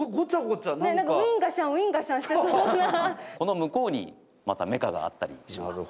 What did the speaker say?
この向こうにまたメカがあったりします。